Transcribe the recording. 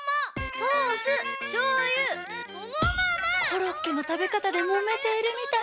コロッケのたべかたでもめているみたい！